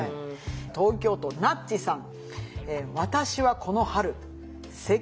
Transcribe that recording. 東京都なっちさん。